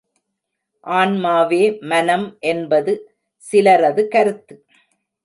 ஆன்மாவே மனம் என்பது சிலரது கருத்து.